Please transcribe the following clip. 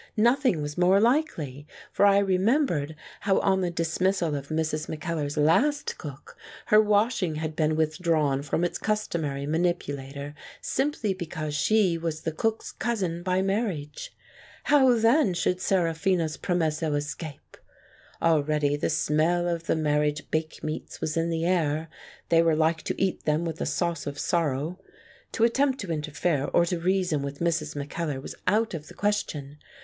Nothing was more likely, for I remembered how on the dismissal of Mrs. Mackellar's last cook, her washing had been with drawn from its customary manipulator, simply be cause she was the cook's cousin by marriage. How then should Seraphina's promesso escape ? Already the smell of the marriage bake meats was in the air : they were like to eat them with a sauce of sorrow. To attempt to interfere or to reason with Mrs. Mackellar was out of the question.